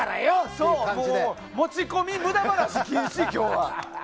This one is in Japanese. そう、持ち込み無駄話禁止、今日は。